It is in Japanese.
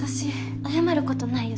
謝ることないよ